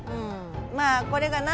まあこれがな